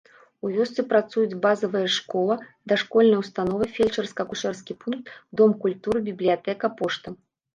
У вёсцы працуюць базавая школа, дашкольная ўстанова, фельчарска-акушэрскі пункт, дом культуры, бібліятэка, пошта.